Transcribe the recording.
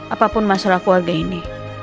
apapun masalah keluarga ini